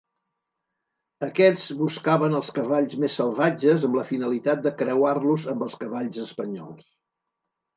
Aquests buscaven els cavalls més salvatges amb la finalitat de creuar-los amb els cavalls espanyols.